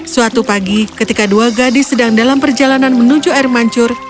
suatu pagi ketika dua gadis sedang dalam perjalanan menuju air mancur